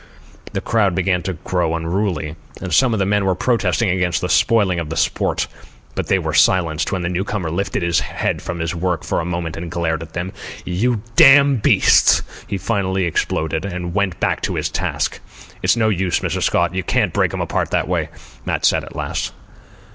The crowd began to grow unruly, and some of the men were protesting against the spoiling of the sport; but they were silenced when the newcomer lifted his head from his work for a moment and glared at them. "You damn beasts!" he finally exploded, and went back to his task. "It's no use, Mr. Scott, you can't break 'm apart that way," Matt said at last.